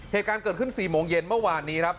เหตุการณ์เกิดขึ้น๔โมงเย็นเมื่อวานนี้ครับ